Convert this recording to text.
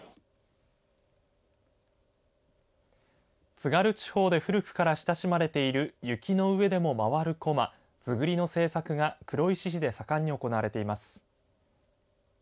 津軽地方で古くから親しまれている雪の上でも回るこまずぐりの制作が黒石市で盛んに行われています。